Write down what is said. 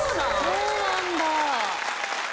そうなんだ！